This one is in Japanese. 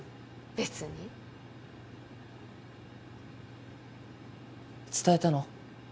べつに伝えたの？